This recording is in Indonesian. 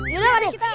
yaudah pak d